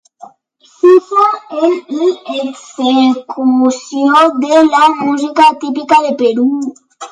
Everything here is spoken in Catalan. S'usa en l'execució de la música típica del Perú.